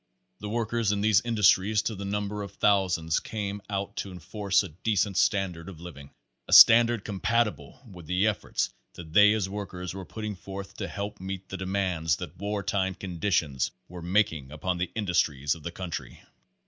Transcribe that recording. The workers in these industries to the number of thousands came out to enforce a decent standard of living, a standard compatible with the efforts that they as workers were putting forth to help meet the demand that wartime conditions were making upon the indus tries of the country.